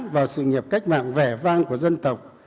vào sự nghiệp cách mạng vẻ vang của dân tộc